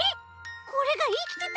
これがいきてたの？